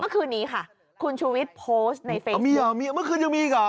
ครับคุณชูวิทย์โพสต์ในเฟซบุ๊คมีเหรอเมื่อคืนยังมีเหรอ